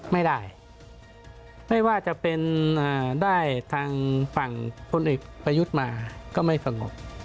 ไม่ได้ไม่ว่าจะเป็นได้ทางฝั่งพลเอกประยุทธ์มาก็ไม่สงบ